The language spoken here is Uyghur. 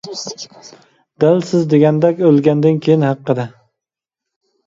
دەل سىز دېگەندەك ئۆلگەندىن كېيىن ھەققىدە.